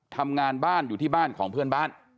ทำงานบ้านอยู่ที่บ้านของเพื่อนบ้าน